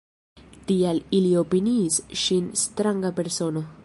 Tial ili opiniis ŝin stranga persono.